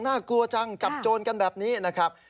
น่ากลัวจังจับโจรกันแบบนี้นะครับ